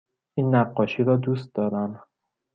این نقاشی را دوست دارم.